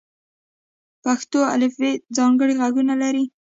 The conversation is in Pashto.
پښتو الفبې ځانګړي غږونه لري.